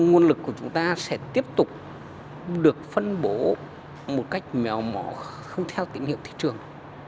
nguồn lực của chúng ta sẽ tiếp tục được phân bổ một cách mèo mó không theo tín hiệu thị trường